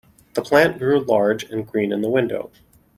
The plant grew large and green in the window.